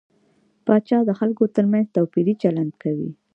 پاچا د خلکو تر منځ توپيري چلند کوي .